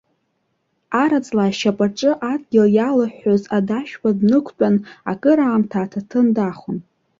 Араҵла ашьапаҿы, адгьыл иалҳәҳәоз адашәпа днықәтәан, акраамҭа аҭаҭын дахон.